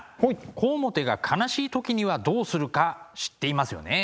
小面が悲しい時にはどうするか知っていますよね？